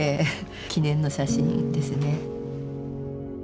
記念の写真ですね。